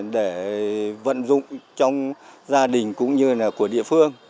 để vận dụng trong gia đình cũng như là của địa phương